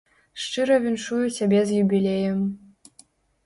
Шчыра віншую цябе з юбілеем.